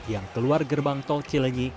yang keluar gerbang tol cilenyi